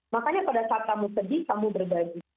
makanya pada saat kamu sedih kamu berbagi